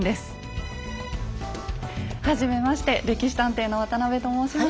はじめまして「歴史探偵」の渡邊と申します。